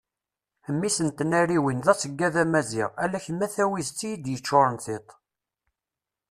mmi-s n tnariwin d aseggad amaziɣ ala kem a tawizet i d-yeččuren tiṭ